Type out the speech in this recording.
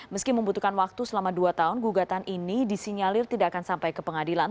meski membutuhkan waktu selama dua tahun gugatan ini disinyalir tidak akan sampai ke pengadilan